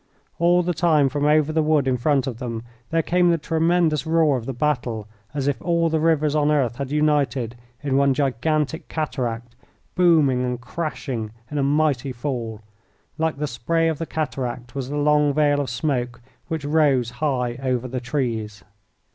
All the time from over the wood in front of them there came the tremendous roar of the battle, as if all the rivers on earth had united in one gigantic cataract, booming and crashing in a mighty fall. Like the spray of the cataract was the long veil of smoke which rose high over the trees.